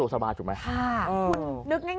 สุดทนแล้วกับเพื่อนบ้านรายนี้ที่อยู่ข้างกัน